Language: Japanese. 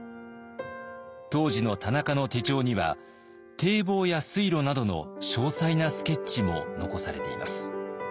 当時の田中の手帳には堤防や水路などの詳細なスケッチも残されています。